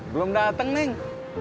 belum dateng neng